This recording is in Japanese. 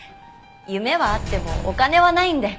夢はあってもお金はないんで。